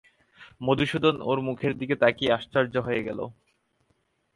মধুসূদন ওর মুখের দিকে তাকিয়ে আশ্চর্য হয়ে গেল।